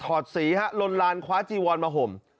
อดสีฮะลนลานคว้าจีวอนมาห่ม